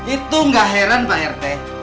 itu gak heran pak rete